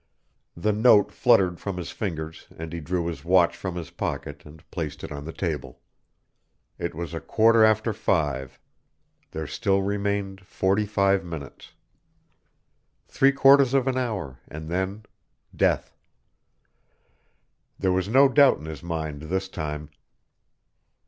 The note fluttered from his fingers and he drew his watch from his pocket and placed it on the table. It was a quarter after five. There still remained forty five minutes. Three quarters of an hour and then death. There was no doubt in his mind this time.